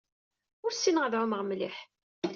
Ur ssineɣ ara ad ɛumeɣ mliḥ.